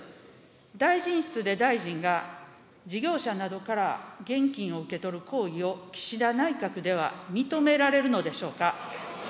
大臣室で大臣が、事業者などから現金を受け取る行為を、岸田内閣では認められるのでしょうか。